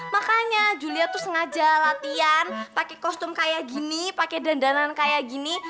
makanya julia itu sengaja latihan pakai kostum kayak gini pakai dandanan kayak gini